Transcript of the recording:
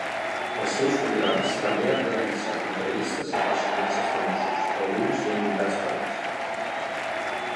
Als seus programes, també han realitzat entrevistes a personatges famosos, alguns ja imitats per ells.